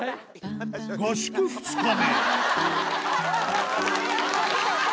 合宿２日目。